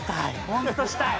ホントしたい！